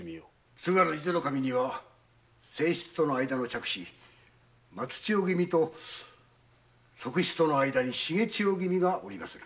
津軽伊豆守には正室との間の嫡子・松千代君のほかに側室との間に重千代君がおりまする。